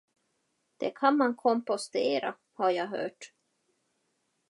Det kan man kompostera, har jag hört.